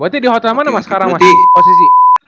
berarti di hotel mana mas sekarang mas